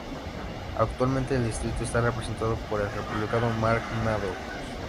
Actualmente el distrito está representado por el Republicano Mark Meadows.